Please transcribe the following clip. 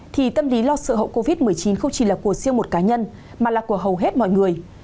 thì tâm lý lo sợ hậu covid một mươi chín không chỉ là của riêng một cá nhân mà là của hầu hết mọi người